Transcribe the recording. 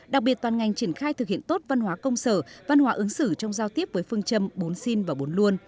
đặc biệt toàn ngành triển khai thực hiện tốt văn hóa công sở văn hóa ứng xử trong giao tiếp với phương châm bốn xin và bốn luôn